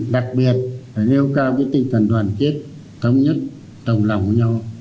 đặc biệt nêu cao cái tinh thần đoàn kết thống nhất đồng lòng với nhau